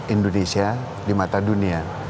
indonesia di mata dunia